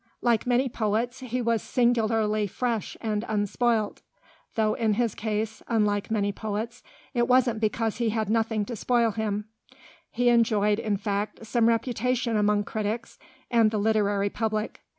Like many poets, he was singularly fresh and unspoilt, though in his case (unlike many poets) it wasn't because he had nothing to spoil him; he enjoyed, in fact, some reputation among critics and the literary public.